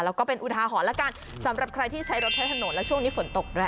แล้วก็เป็นอุทาหรณ์แล้วกันสำหรับใครที่ใช้รถใช้ถนนและช่วงนี้ฝนตกด้วย